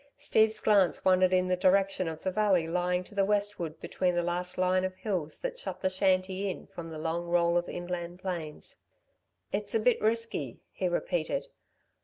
Steve's glance wandered in the direction of the valley lying to the westward between the last line of hills that shut the shanty in from the long roll of inland plains. "It's a bit risky," he repeated.